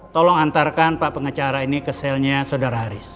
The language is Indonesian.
tolong antarkan pak pengecara ini ke selnya sidear aris